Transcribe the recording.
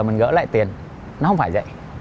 mình gỡ lại tiền nó không phải vậy